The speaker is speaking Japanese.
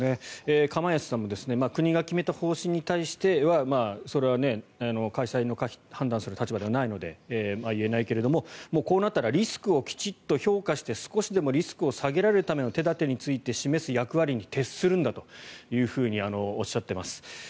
釜萢さんも国が決めた方針に対してはそれは開催の可否を判断する立場ではないので言えないけれども、こうなったらリスクをきちっと評価して少しでもリスクを下げられるための手立てについて示す役割に徹するんだとおっしゃっています。